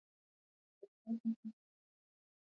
پکتیا د افغانستان د دوامداره پرمختګ لپاره اړین دي.